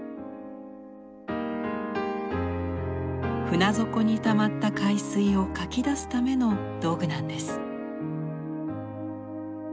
船底にたまった海水をかき出すための道具なんです。